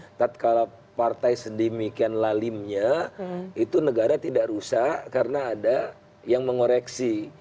tetap kalau partai sedemikian lalimnya itu negara tidak rusak karena ada yang mengoreksi